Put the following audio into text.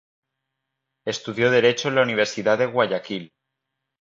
Estudió derecho en la Universidad de Guayaquil.